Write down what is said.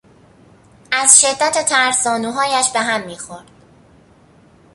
از شدت ترس زانوهایش به هم میخورد.